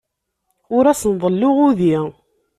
Ur asen-ḍelluɣ udi.